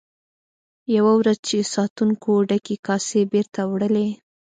یوه ورځ چې ساتونکو ډکې کاسې بیرته وړلې.